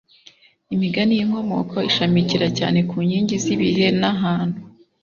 Imigani y inkomoko ishamikira cyane ku nkingi z ibihe n ahantu